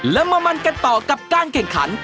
แล้วมามันกันต่อกับการแข่งขัน